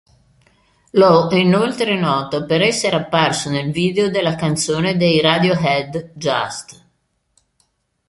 Lough è inoltre noto per essere apparso nel video della canzone dei Radiohead "Just".